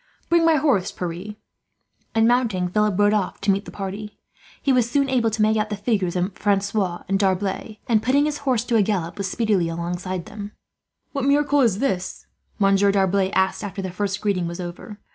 "Bring my horse, Pierre," and, mounting, Philip rode off to meet the party. He was soon able to make out the figures of Francois and D'Arblay and, putting his horse to a gallop, was speedily alongside of them. "What miracle is this?" Monsieur D'Arblay asked, after the first greeting was over.